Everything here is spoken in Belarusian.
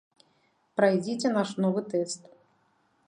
Прайдзіце наш новы тэст.